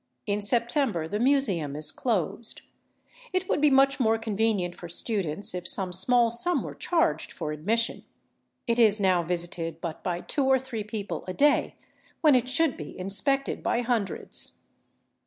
In September the Museum is closed. It would be much more convenient for students if some small sum were charged for admission. It is now visited but by two or three people a day, when it should be inspected by hundreds.